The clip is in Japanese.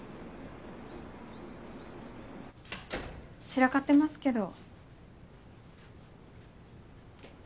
散らかってますけど。